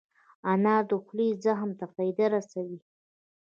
انار د خولې زخم ته فایده رسوي.